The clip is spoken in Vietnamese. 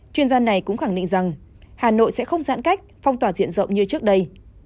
chuyên gia này cũng khẳng định rằng hà nội sẽ không giãn cách phong tỏa diện rộng như trước đây